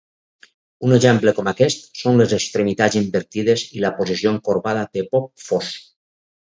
Un exemple com aquest són les extremitats invertides i la posició encorbada de Bob Fosse.